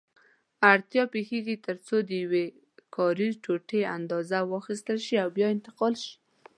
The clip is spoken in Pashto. اړتیا پېښېږي ترڅو د یوې کاري ټوټې اندازه واخیستل شي او بیا انتقال شي.